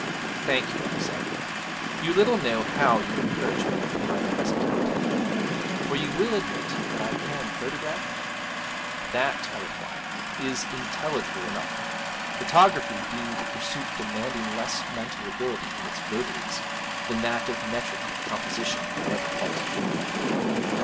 'Thank you,' he said; 'you little know how you encourage me in my present undertaking for you will admit that I can photograph?' 'That,' I replied, 'is intelligible enough, photography being a pursuit demanding less mental ability in its votaries than that of metrical composition, however halting.'